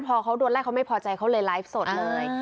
พอเขาโดนไล่เขาไม่พอใจเขาเลยไลฟ์สดเลย